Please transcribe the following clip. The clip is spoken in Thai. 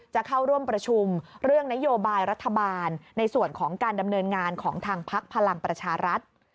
จะเข้าร่วมประชุมเรื่องนโยบายรัฐบาลในส่วนของการดำเนินงานของทางพักพลังประชารัฐ